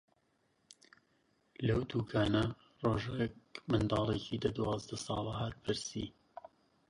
لەو دووکانە ڕۆژێک منداڵێکی دە-دوازدە ساڵە هات پرسی: